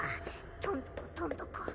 とんとことんとこ。